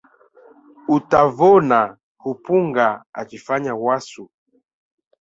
Utavona hupunga akifanya wasu.